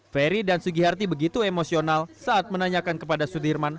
ferry dan sugi harti begitu emosional saat menanyakan kepadanya